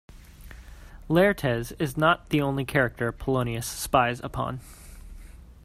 Laertes is not the only character Polonius spies upon.